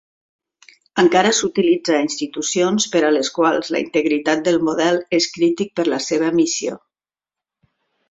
Encara s"utilitza a institucions per a les quals la integritat del model és crític per la seva missió.